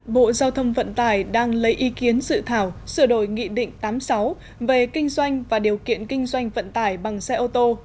bộ giao thông vận tải đang lấy ý kiến sự thảo sửa đổi nghị định tám mươi sáu về kinh doanh và điều kiện kinh doanh vận tải bằng xe ô tô